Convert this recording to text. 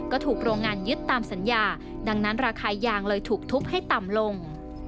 ก็ถูกโรงงานยึดตามสัญญาดังนั้นราคายางเลยถูกทุบให้ต่ำลง